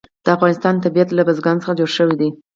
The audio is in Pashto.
د افغانستان طبیعت له بزګان څخه جوړ شوی دی.